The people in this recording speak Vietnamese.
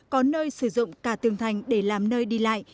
có nơi sử dụng cả tường thành để làm nơi đi lại